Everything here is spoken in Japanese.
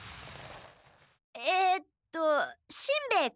えとしんべヱ君？